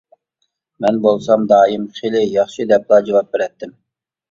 مەن بولسام دائىم:-خېلى ياخشى، -دەپلا جاۋاب بېرەتتىم.